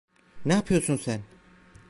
Ne yapıyorsun sen?